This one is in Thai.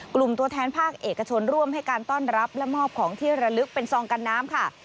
ตัวแทนภาคเอกชนร่วมให้การต้อนรับและมอบของที่ระลึกเป็นซองกันน้ำค่ะ